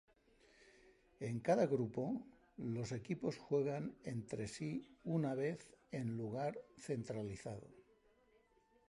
En cada grupo, los equipos juegan entre sí una vez en un lugar centralizado.